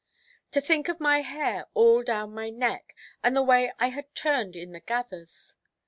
"To think of my hair all down my neck, and the way I had turned in the gathers"!